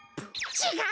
ちがう！